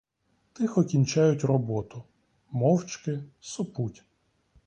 Тихо кінчають роботу, мовчки, сопуть.